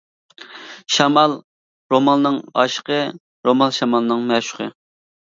شامال رومالنىڭ ئاشىقى، رومال شامالنىڭ مەشۇقى.